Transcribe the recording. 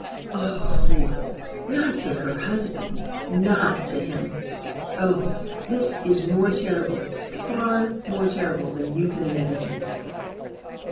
oh! not to her husband? Not to him! oh! this is more terrible far more terrible than you can imagine."